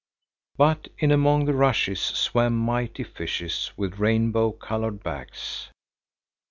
But in among the rushes swam mighty fishes with rainbow colored backs.